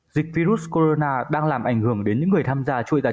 dịch virus corona đang làm ảnh hưởng đến những người thân